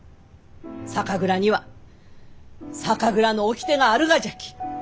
酒蔵には酒蔵の掟があるがじゃき。